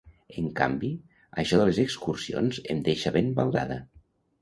En canvi, això de les excursions em deixa ben baldada.